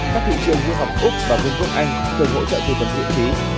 các thị trường du học úc và trung quốc anh thường hỗ trợ thư vấn diện trí